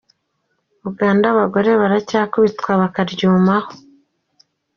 Uganda Abagore baracyakubitwa bakaryumaho